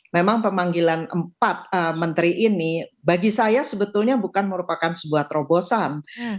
memang pemanggilan empat menteri ini bagi saya sebetulnya bukan merupakan sebuah terobosan